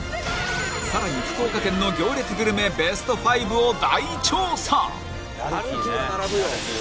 さらに福岡県の行列グルメベスト５を大調査らるきいねらるきい